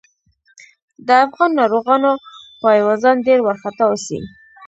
د افغان ناروغانو پايوازان ډېر وارخطا اوسي.